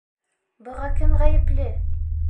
Быға кем ғәйепле?